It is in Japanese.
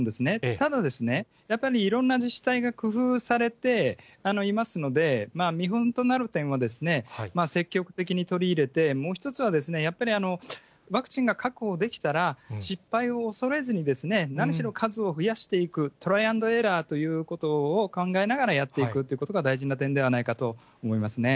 ただ、やっぱりいろんな自治体が工夫されていますので、見本となる点は積極的に取り入れて、もう一つは、やっぱりワクチンが確保できたら、失敗を恐れずに、何しろ数を増やしていく、トライアンドエラーということを考えながらやっていくということが大事な点ではないかと思いますね。